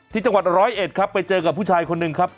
ที่จังหวัดร้อยเอ็ดครับไปเจอกับผู้ชายคนหนึ่งครับ